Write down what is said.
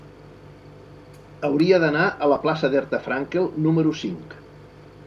Hauria d'anar a la plaça d'Herta Frankel número cinc.